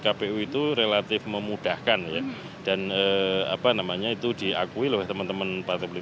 kpu itu relatif memudahkan ya dan apa namanya itu diakui oleh teman teman partai politik